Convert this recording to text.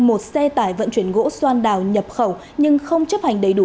một xe tải vận chuyển gỗ xoan đào nhập khẩu nhưng không chấp hành đầy đủ